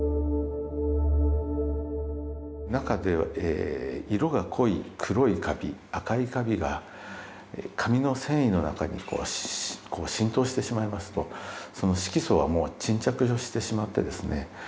中で色が濃い黒いカビ赤いカビが紙の繊維の中に浸透してしまいますとその色素はもう沈着してしまってですね